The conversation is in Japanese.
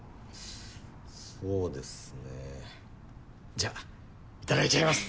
そうですねじゃあいただいちゃいます！